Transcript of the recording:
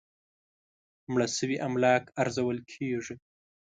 مړ شوي املاک ارزول کېږي.